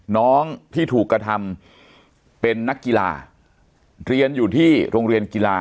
น้องที่ถูกกระทำเป็นนักกีฬาเรียนอยู่ที่โรงเรียนกีฬา